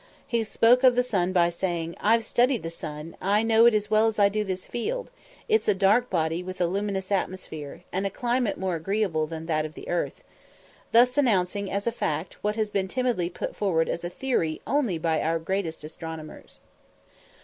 He spoke of the sun by saying, "I've studied the sun; I know it as well as I do this field; it's a dark body with a luminous atmosphere, and a climate more agreeable than that of the earth" thus announcing as a fact what has been timidly put forward as a theory only by our greatest astronomers.